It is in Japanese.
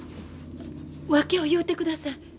訳を言うてください。